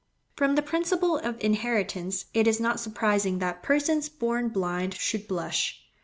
From the principle of inheritance it is not surprising that persons born blind should blush.